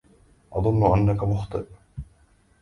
أظنّ أنّك مخطئ.